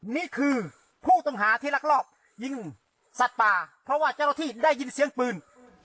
นี่คือผู้ต้องหาที่รักรอบยิงสัตว์ป่าเพราะว่าเจ้าหน้าที่ได้ยินเสียงปืน